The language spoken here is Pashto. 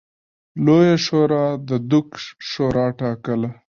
لویې شورا د دوک شورا ټاکله.